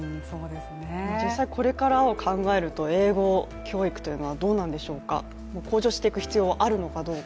実際これからを考えると、英語教育というのはどうなんでしょうか、向上していく必要があるのかどうか？